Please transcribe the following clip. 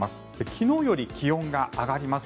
昨日より気温が上がります。